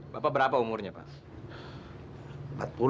bapak berapa umurnya pak